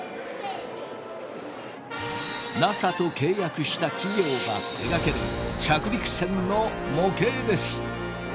ＮＡＳＡと契約した企業が手がける着陸船の模型です。